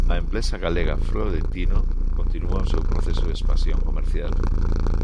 A empresa galega Florentino continúa o seu proceso de expansión comercial.